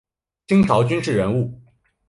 清朝军事人物。